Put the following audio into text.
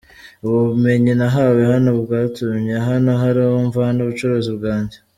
Ubumenyi nahawe hano bwatumye hari aho mvana ubucuruzi bwanjye.